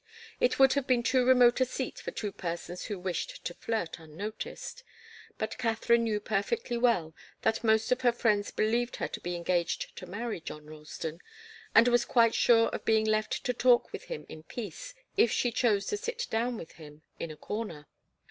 It would have been too remote a seat for two persons who wished to flirt unnoticed, but Katharine knew perfectly well that most of her friends believed her to be engaged to marry John Ralston, and was quite sure of being left to talk with him in peace if she chose to sit down with him in a corner.